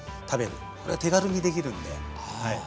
これ手軽にできるんではい。